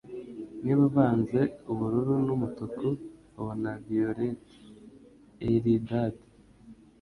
Niba uvanze ubururu n'umutuku, ubona violet. (Eldad)